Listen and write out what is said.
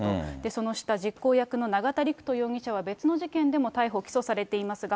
その下、実行役の永田陸人容疑者は別の事件でも逮捕・起訴されていますが、